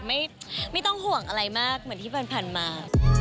ไม่ต้องห่วงอะไรมากเหมือนที่ผ่านมา